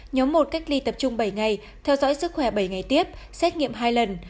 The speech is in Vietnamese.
nhóm một cách ly tập trung bảy ngày theo dõi sức khỏe bảy ngày tiếp xét nghiệm hai lần